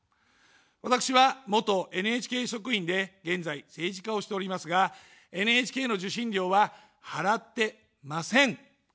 私は元ＮＨＫ職員で、現在、政治家をしておりますが、ＮＨＫの受信料は払ってません。